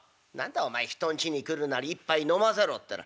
お前人んちに来るなり一杯飲ませろってのは」。